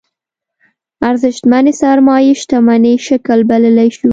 ارزشمنې سرمايې شتمنۍ شکل بللی شو.